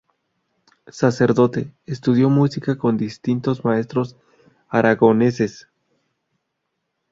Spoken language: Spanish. Sacerdote, estudió música con distintos maestros aragoneses.